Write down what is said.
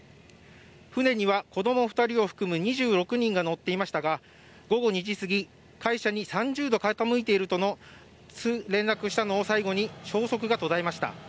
船には子供２人を含む２６人が乗っていましたが午後２時過ぎ、会社に３０度傾いていると連絡したのを最後に消息が途絶えました。